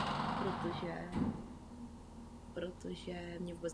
U těchto žáků je podle individuálních potřeb nutné zohlednit využití podpůrných opatření.